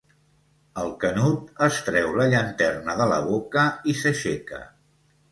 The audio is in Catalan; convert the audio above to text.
El Canut es treu la llanterna de la boca i s'aixeca.